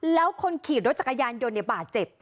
แล้วคนขี่รถจักรยานยนต์บาดเจ็บ